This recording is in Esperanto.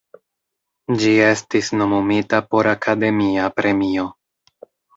Ĝi estis nomumita por Akademia Premio.